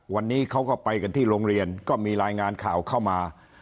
วันนี้เขาก็ไปกันที่โรงเรียนก็มีรายงานข่าวเข้ามา